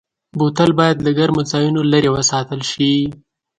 بوتل باید له ګرمو ځایونو لېرې وساتل شي.